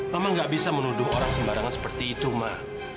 mama gak bisa menuduh orang sembarangan seperti itu ma